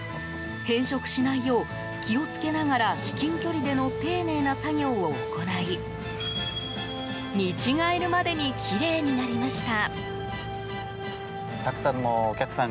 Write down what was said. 変色しないよう気をつけながら至近距離での丁寧な作業を行い見違えるまでにきれいになりました。